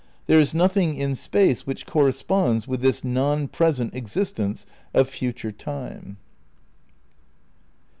There is nothing in Space which corresponds with this non present existence of future Time.